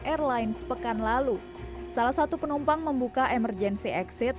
airlines pekan lalu salah satu penumpang membuka emergency exit